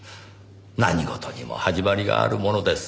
何事にも始まりがあるものです。